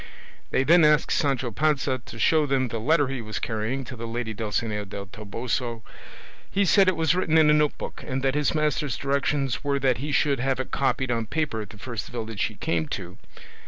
They then asked Sancho Panza to show them the letter he was carrying to the lady Dulcinea del Toboso. He said it was written in a note book, and that his master's directions were that he should have it copied on paper at the first village he came to.